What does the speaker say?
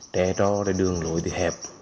té rõ đường lối thì hẹp